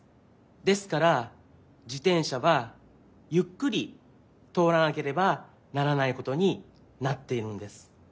ですから自転車はゆっくりとおらなければならないことになっているんです。